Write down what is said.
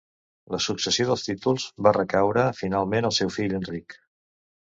La successió dels títols va recaure finalment al seu fill Enric.